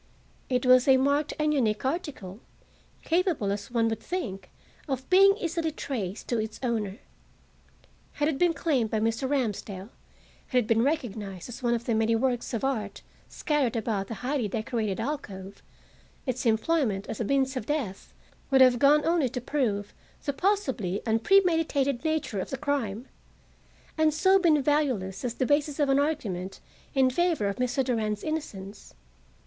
It was a marked and unique article, capable, as one would think, of being easily traced to its owner. Had it been claimed by Mr. Ramsdell, had it been recognized as one of the many works of art scattered about the highly decorated alcove, its employment as a means of death would have gone only to prove the possibly unpremeditated nature of the crime, and so been valueless as the basis of an argument in favor of Mr. Durand's innocence.